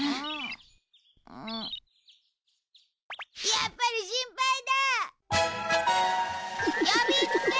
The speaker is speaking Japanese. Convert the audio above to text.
やっぱり心配だー！